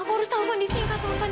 gue harus tahu kondisinya kak taufan